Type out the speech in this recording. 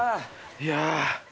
いや。